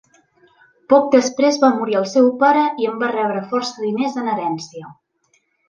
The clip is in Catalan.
Poc després va morir el seu pare i en va rebre força diners en herència.